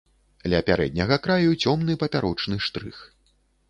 Ля пярэдняга краю цёмны папярочны штрых.